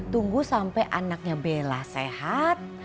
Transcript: tunggu sampai anaknya bella sehat